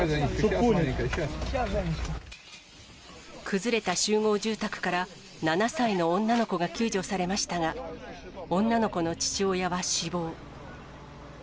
崩れた集合住宅から、７歳の女の子が救助されましたが、女の子の父親は死亡。